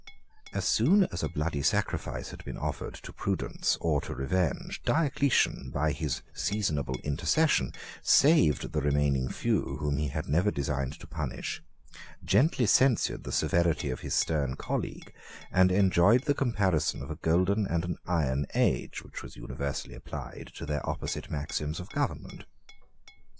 As soon as a bloody sacrifice had been offered to prudence or to revenge, Diocletian, by his seasonable intercession, saved the remaining few whom he had never designed to punish, gently censured the severity of his stern colleague, and enjoyed the comparison of a golden and an iron age, which was universally applied to their opposite maxims of government.